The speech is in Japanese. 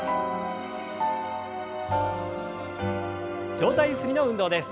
上体ゆすりの運動です。